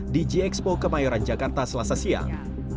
di g expo kemayoran jakarta selasa siang